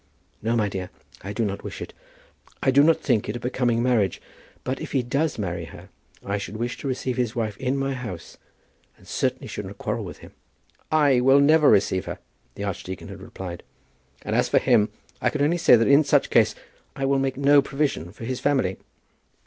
"No, my dear, I do not wish it. I do not think it a becoming marriage. But if he does marry her, I should wish to receive his wife in my house, and certainly should not quarrel with him." "I will never receive her," the archdeacon had replied; "and as for him, I can only say that in such case I will make no provision for his family."